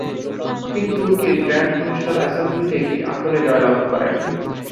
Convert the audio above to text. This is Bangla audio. তিনি তুর্কির গ্র্যান্ড ন্যাশনাল অ্যাসেম্বলিতে একটি আসনে জয়লাভ করেন।